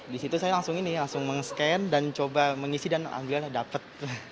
di situ saya langsung ini langsung meng scan dan coba mengisi dan ambilnya dapat